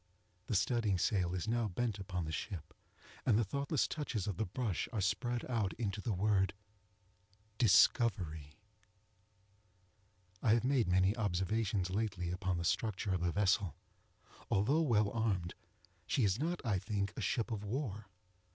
The studding sail is now bent upon the ship, and the thoughtless touches of the brush are spread out into the word DISCOVERY. I have made many observations lately upon the structure of the vessel. Although well armed, she is not, I think, a ship of war.